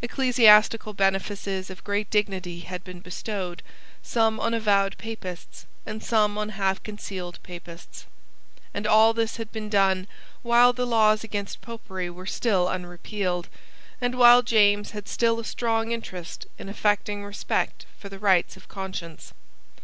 Ecclesiastical benefices of great dignity had been bestowed, some on avowed Papists, and some on half concealed Papists. And all this had been done while the laws against Popery were still unrepealed, and while James had still a strong interest in affecting respect for the rights of conscience.